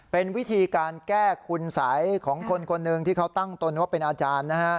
เป็นวิธีการแก้คุณสัยของคนคนหนึ่งที่เขาตั้งตนว่าเป็นอาจารย์นะฮะ